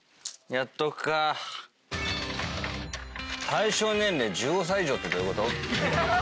対象年齢１５歳以上ってどういうこと？